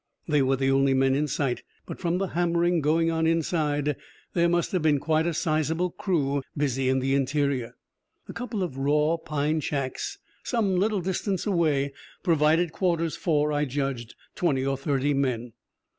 They were the only men in sight, but from the hammering going on inside there must have been quite a sizeable crew busy in the interior. A couple of raw pine shacks, some little distance away, provided quarters for, I judged, twenty or thirty men.